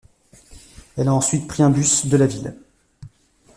Elle a ensuite pris un bus de la ville.